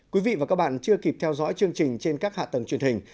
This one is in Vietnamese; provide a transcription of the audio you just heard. quý vị và các bạn chưa kịp theo dõi chương trình trên các hạ tầng truyền hình